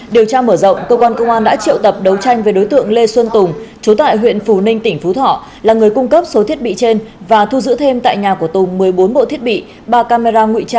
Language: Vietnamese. điều tra mở rộng công an đã triệu tập đấu tranh về đối tượng lê xuân tùng chú tại huyện phù ninh tỉnh phú thỏ là người cung cấp số thiết bị trên và thu giữ thêm tại nhà của tùng một mươi bốn bộ thiết bị ba camera ngụy trang cùng hàng trăm linh kiện điện tử để lắp ráp các thiết bị phục vụ gian lận thi cử